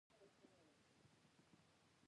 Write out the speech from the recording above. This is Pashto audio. مورغاب سیند د افغانانو ژوند اغېزمن کوي.